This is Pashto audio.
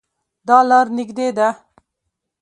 دا لار نږدې ده